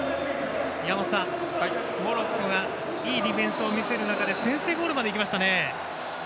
山本さん、モロッコがいいディフェンスを見せる中で先制ゴールまでいきました。